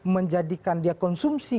menjadikan dia konsumsi